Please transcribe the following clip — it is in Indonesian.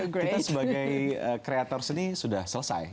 kita sebagai kreator seni sudah selesai